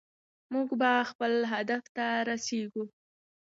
موږ به خپل هدف ته رسیږو.